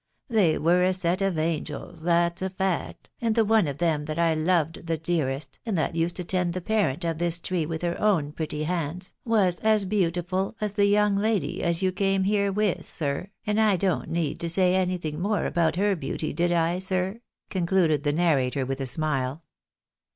They were a set of angels, that's a fact, and the one of them that I loved the dearest, and that used to tend the parent of this tree with her own pretty hands, Avas as beautiful as the young lady as you came here with, sir, and I don't need to say anything luoL'e about her beauty, did I, sir? " concluded the narrator with a smile.